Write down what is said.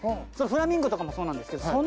フラミンゴとかもそうなんですけどそ